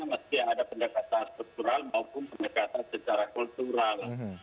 meski ada pendekatan struktural maupun pendekatan secara kultural